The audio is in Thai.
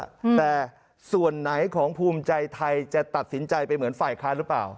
อืมแต่ส่วนไหนของภูมิใจไทยจะตัดสินใจไปเหมือนฝ่ายค้านหรือเปล่า